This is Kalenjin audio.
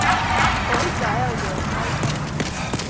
Koit tayonnyo sait taman